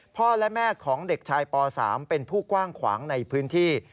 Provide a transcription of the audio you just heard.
พ่อและแม่ของเด็กชายป๓เป็นผู้กว้างขวางในพื้นที่